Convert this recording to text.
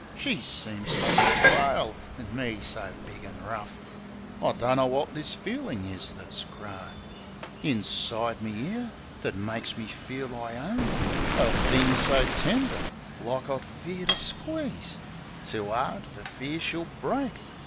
She seems so frail, an' me so big an' rough — I dunno wot this feelin' is that's grown Inside me 'ere that makes me feel I own A thing so tender like I fear to squeeze Too 'ard fer fear she'll break